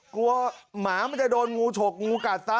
หมามันจะโดนงูฉกงูกัดซะ